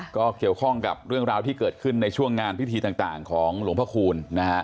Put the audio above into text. ก็เกี่ยวข้องกับเรื่องราวที่เกิดขึ้นในช่วงงานพิธีต่างของหลวงพระคูณนะฮะ